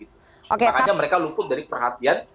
makanya mereka luput dari perhatian